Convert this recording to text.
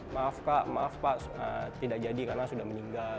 maaf kak maaf pak tidak jadi karena sudah meninggal